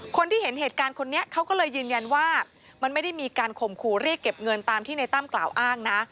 คนที่เห็นเหตุการณ์คนนี้เขาก็เลยยืนยันว่ามันไม่ได้มีการข่มขู่เรียกเก็บเงินตามที่ในตั้มกล่าวอ้างนะ